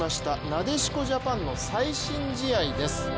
なでしこジャパンの最新試合です。